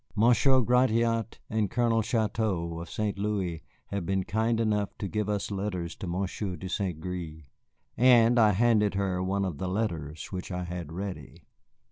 Monsieur Gratiot and Colonel Chouteau, of St. Louis, have been kind enough to give us letters to Monsieur de Saint Gré." And I handed her one of the letters which I had ready.